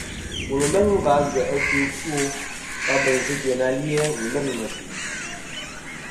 Wùl ɨ̀ leŋ và agyèʼ ɨkœ ɨ two wa bèynsɨ dyèyn ali-a wù leŋ ɨ̀ mèsì.